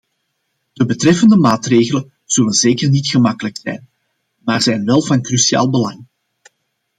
De betreffende maatregelen zullen zeker niet gemakkelijk zijn, maar zijn wel van cruciaal belang.